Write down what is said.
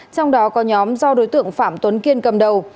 trong đó có nhóm do đối tượng phạm tuấn kiên cầm đầu